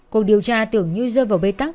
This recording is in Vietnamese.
cuộc điều tra tưởng như rơi vào bế tắc